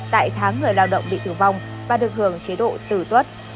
tại tháng người lao động bị tử vong và được hưởng chế độ tử tuất